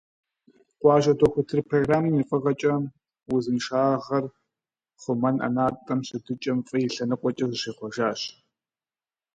«Къуажэ дохутыр» программэм и фӀыгъэкӀэ, узыншагъэр хъумэн ӀэнатӀэм щытыкӀэм фӀы и лъэныкъуэкӀэ зыщихъуэжащ.